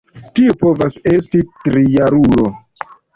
Tiu povas esti trijarulo.